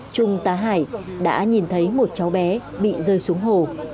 trung tá hải đã nhìn thấy một cháu bé bị rơi xuống hồ